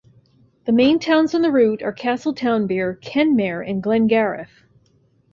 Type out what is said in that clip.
The main towns on the route are Castletownbere, Kenmare and Glengarriff.